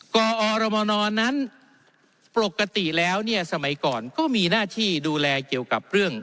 กอรมนนั้นปกติแล้วเนี่ยสมัยก่อนก็มีหน้าที่ดูแลเกี่ยวกับเรื่อง